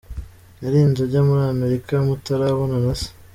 Yarinze ajya muri Amerika mutarabonana se?.